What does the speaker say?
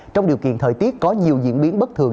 trong điều kiện thời tiết có nhiều diễn biến bất thường